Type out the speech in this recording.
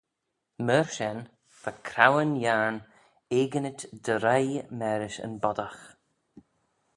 Myr shen va Craueyn Yiarn eginit dy roie marish yn boddagh.